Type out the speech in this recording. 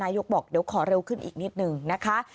ยกบอกเดี๋ยวขอเร็วขึ้นอีกนิดนึงนะคะ